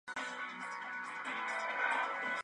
El filme está basado en una novela de Penelope Williamson.